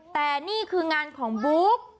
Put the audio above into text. แต่นี่คืองานของบุ๊ก